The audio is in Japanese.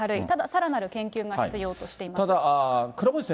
たださらなる研究が必要としています。